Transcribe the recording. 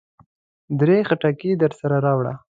درې خټکي درسره راوړه.